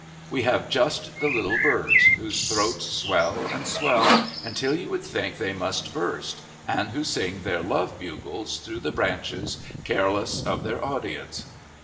We have just the little birds, whose throats swell and swell until you would think they must burst, and who sing their love bugles through the branches careless of their audience.